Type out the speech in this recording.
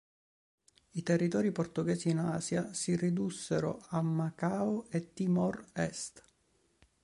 I territori portoghesi in Asia si ridussero a Macao e Timor Est.